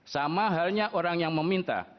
sama halnya orang yang meminta